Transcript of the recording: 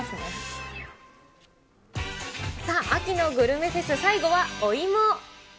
さあ、秋のグルメフェス、最後はお芋。